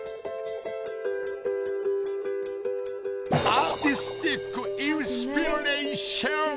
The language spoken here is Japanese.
アーティスティックインスピレーション！